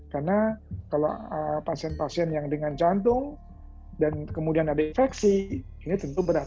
karena kalau pasien pasien yang dengan jantung dan kemudian ada infeksi ini tentu berat